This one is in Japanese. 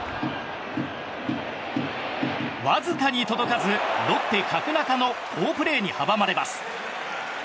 わずかに届かずロッテ、角中の好プレーに阻まれます。